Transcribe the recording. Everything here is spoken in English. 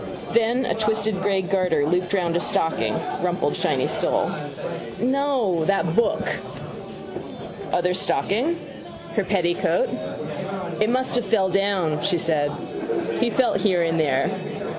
Then, a twisted grey garter looped round a stocking: rumpled, shiny sole. —No: that book. Other stocking. Her petticoat. —It must have fell down, she said. He felt here and there.